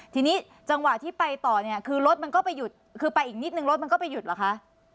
ทีนี้จังหวะที่ไปต่อเนี่ยคือรถมันก็ไปหยุดคือไปอีกนิดนึงรถมันก็ไปหยุดเหรอคะ